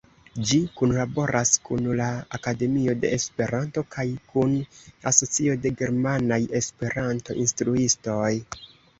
Ĝi kunlaboras kun la Akademio de Esperanto kaj kun Asocio de Germanaj Esperanto-Instruistoj.